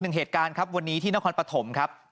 เหตุการณ์ครับวันนี้ที่นครปฐมครับ